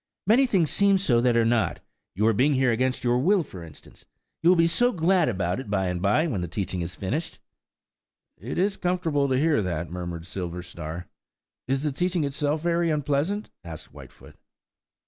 "Many things seem so that are not; your being here against your will for instance–you will be so glad about it by and by, when the teaching is finished." "It is comfortable to hear that," murmured Silverstar. "Is the teaching itself very unpleasant?" asked Whitefoot.